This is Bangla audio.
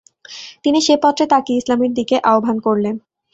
তিনি সে পত্রে তাকে ইসলামের দিকে আহবান করলেন।